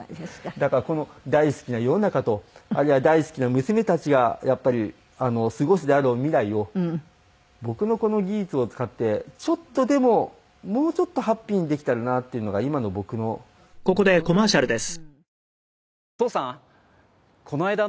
だからこの大好きな世の中とあるいは大好きな娘たちがやっぱり過ごすであろう未来を僕のこの技術を使ってちょっとでももうちょっとハッピーにできたらなっていうのが今の僕の目標のような気がします。